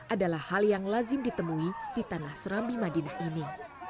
adalah hal yang lazim ditemui di tanah serambi madinah ini